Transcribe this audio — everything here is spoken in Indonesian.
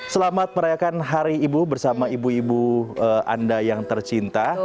selamat merayakan hari ibu bersama ibu ibu anda yang tercinta